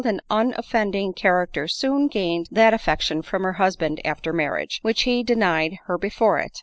and unoffending character soon gained that affection from her husband after marriage, which he de nied her before it.